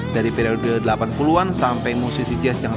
dari periode delapan puluh an sampai musisi jazz yang